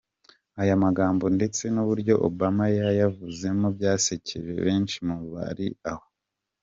Aya magambo ndetse n’uburyo Obama yayavuzemo byasekeje benshi mu bari aho.